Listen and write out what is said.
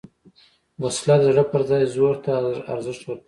وسله د زړه پر ځای زور ته ارزښت ورکوي